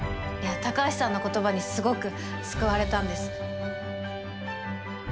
いや高橋さんの言葉にすごく救われたんです。